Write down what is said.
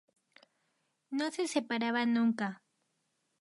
No se separaban nunca.